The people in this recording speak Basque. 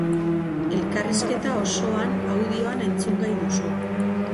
Elkarrizketa osoan audioan entzungai duzu.